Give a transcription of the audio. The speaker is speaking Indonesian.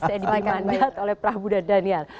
saya diberi mandat oleh prabu dadan